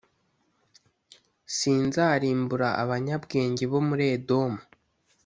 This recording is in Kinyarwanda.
sinzarimbura abanyabwenge bo muri edomu